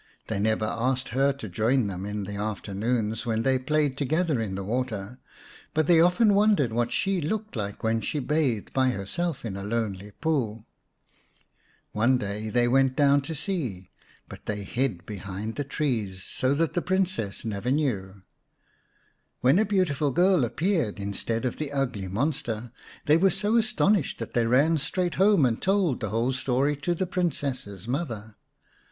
They never asked her to join them in the afternoons when they played together in the water, but they often wondered what she looked like when she bathed by herself in a lonely pool. One day they went down to see, but they hid behind the 206 xvn Or, the Moss Green Princess trees, so that the Princess never knew. When a beautiful girl appeared instead of the ugly monster, they were so astonished that they ran straight home and told the whole story to the Princess's mother.